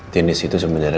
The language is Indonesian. dennis itu sebenarnya